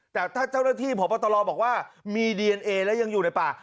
แต่ถ้าเจ้าหน้าที่พบตรบอกว่ามีดีเอนเอและยังอยู่ในป่า